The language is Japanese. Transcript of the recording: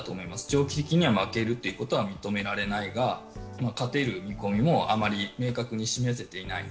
長期的には負けるということを認められないが勝てる見込みもあまり明確に示せていない。